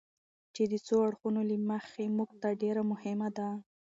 چې د څو اړخونو له مخې موږ ته ډېره مهمه ده.